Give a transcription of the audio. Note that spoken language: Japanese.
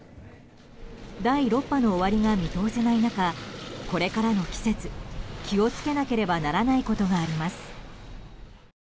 第６波の終わりが見通せない中これからの季節気を付けなければならないことがあります。